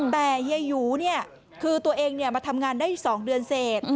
แต่เฮียหยูเนี่ยคือตัวเองมาทำงานได้๒เดือนเสร็จ